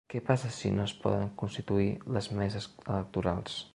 Què passa si no es poden constituir les meses electorals?